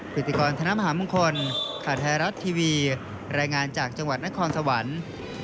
ิติกรธนมหามงคลข่าวไทยรัฐทีวีรายงานจากจังหวัดนครสวรรค์